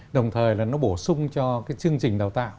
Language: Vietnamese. đồng thời là nó bổ sung cho cái chương trình đào tạo